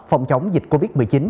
phòng chống dịch covid một mươi chín